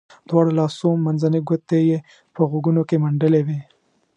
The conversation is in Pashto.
دواړو لاسو منځنۍ ګوتې یې په غوږونو کې منډلې وې.